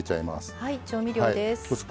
はい調味料です。